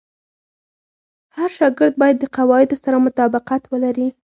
هر شاګرد باید د قواعدو سره مطابقت ولري.